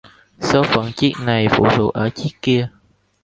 Số phận chiếc này phụ thuộc ở chiếc kia